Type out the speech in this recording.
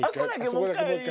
もう一回。